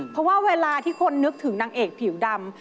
เพราะว่าเวลาที่คนนึกถึงนางเอกผิวดำ